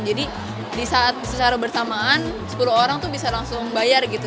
jadi di saat secara bersamaan sepuluh orang tuh bisa langsung bayar gitu